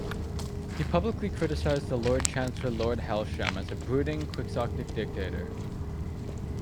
He publicly criticised the Lord Chancellor Lord Hailsham as "a brooding quixotic dictator".